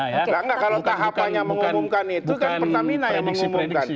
kalau tahapannya mengumumkan itu pertamina yang mengumumkan